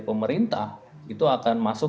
pemerintah itu akan masuk